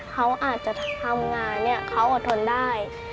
เขาอาจจะทำงานเนี่ยเขาอดทนได้